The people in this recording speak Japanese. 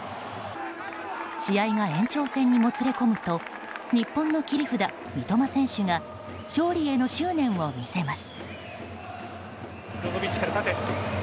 試合が延長戦にもつれ込むと日本の切り札、三笘選手が勝利への執念を見せます。